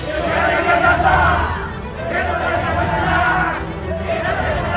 jangan lupa like share dan subscribe